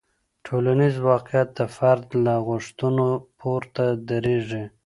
ټولنیز واقیعت د فرد له غوښتنو پورته دریږي.